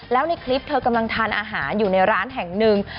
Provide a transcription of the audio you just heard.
แล้วในคลิปเธอกำลังทานอาหารอยู่ในร้านแห่งหนึ่ง